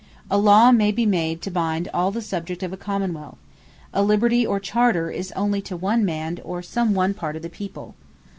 A Law may be made to bind All the Subjects of a Common wealth: a Liberty, or Charter is only to One man, or some One part of the people.